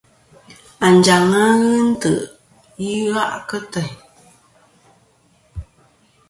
Anjaŋ-a ghɨ nt̀' i fe'nɨ gha' kɨ teyn.